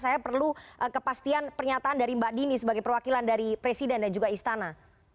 saya perlu kepastian pernyataan dari mbak dini sebagai perwakilan dari presiden dan juga istana